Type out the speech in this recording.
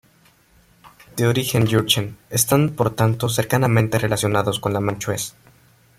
De origen yurchen, están por tanto cercanamente relacionados con la manchúes.